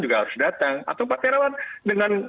juga harus datang atau pak terawan dengan